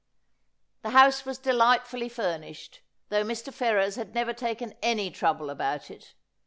The liouse was delightfully furnished, though Mr. Ferrers had never taken any trouble about it.